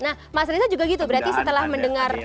nah mas reza juga gitu berarti setelah mendengar